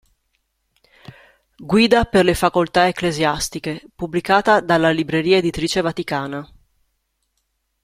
Guida per le Facoltà ecclesiastiche", pubblicata dalla Libreria Editrice Vaticana.